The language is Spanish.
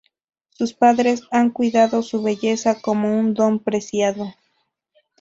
Sus padres han cuidado su belleza como un don preciado.